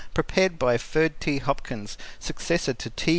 Prepared by Ferd. T. Hopkins, Successor to T.